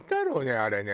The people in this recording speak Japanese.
あれね。